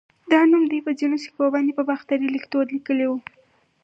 دا نوم دوی په ځینو سکو باندې په باختري ليکدود لیکلی و